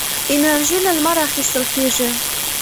انرژي له لمره اخېستل کېږي.